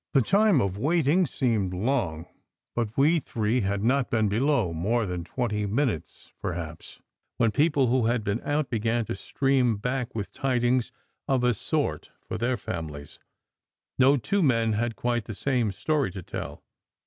The time of waiting seemed long; but we three had not been below more than twenty minutes, perhaps, when people who had been out began to stream back with tidings of a sort for their families. No two men had quite the same story to tell.